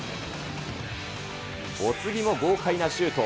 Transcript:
お次も豪快なシュート。